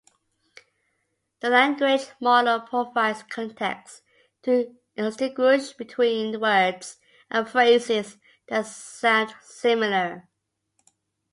The language model provides context to distinguish between words and phrases that sound similar.